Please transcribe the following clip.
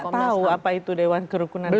kami nggak tahu apa itu dewan kerukunan nasional